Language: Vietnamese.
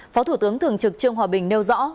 phó thủ tướng thường trực trương hòa bình nêu rõ